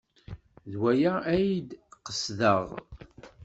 D waya ay d-qesdeɣ.